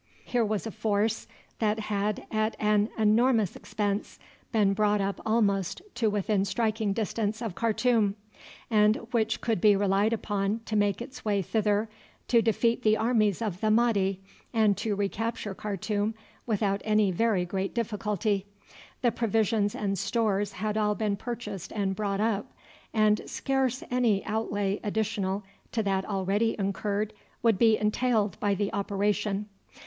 Here was a force that had at an enormous expense been brought up almost to within striking distance of Khartoum, and which could be relied upon to make its way thither to defeat the armies of the Mahdi, and to recapture Khartoum without any very great difficulty. The provisions and stores had all been purchased and brought up, and scarce any outlay additional to that already incurred would be entailed by the operation.